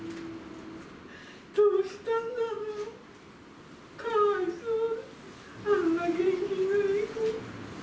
どうしたんだろう、かわいそうに。